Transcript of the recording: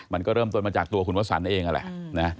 มันก็เริ่มต้นมาจากตัวคุณวสันเองนั่นแหละนะ